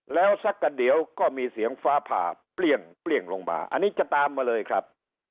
แล้วสักกันเดี๋ยวก็มีเสียงฟ้าผ่าเปรี้ยงลงมาอันนี้จะตามมาเลยครับ